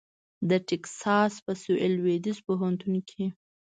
د ټیکساس په سوېل لوېدیځ پوهنتون کې